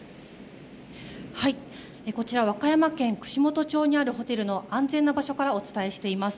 こちら和歌山県串本町にあるホテルの安全な場所からお伝えしています。